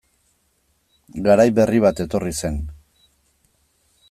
Garai berri bat etorri zen...